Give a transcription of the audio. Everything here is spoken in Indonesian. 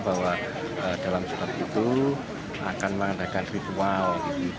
bahwa dalam surat itu akan mengadakan ritual